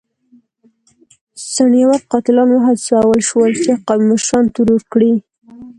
څڼيور قاتلان وهڅول شول چې قومي مشران ترور کړي.